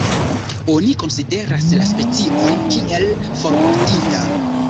Oni konsideras la specion kiel formortinta.